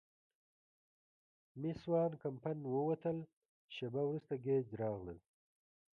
مېس وان کمپن ووتل، شیبه وروسته ګېج راغلل.